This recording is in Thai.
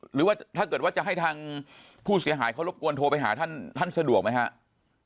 หรือว่าจะให้ทางผู้เสียหายเขารบกวนโทรไปหาท่านสะดวกไหมครับ